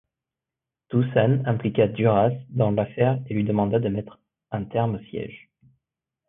Dušan impliqua Đuraš dans l'affaire et lui demanda de mettre un terme au siège.